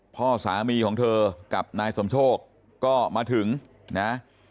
พ่อสามีของเธอกับนายสมโชคก็มาถึงนะ